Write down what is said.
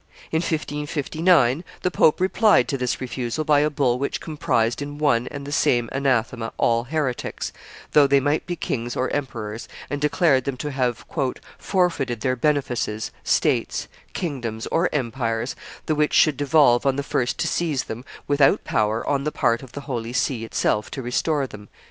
In 1559 the pope replied to this refusal by a bull which comprised in one and the same anathema all heretics, though they might be kings or emperors, and declared them to have "forfeited their benefices, states, kingdoms, or empires, the which should devolve on the first to seize them, without power on the part of the Holy See itself to restore them."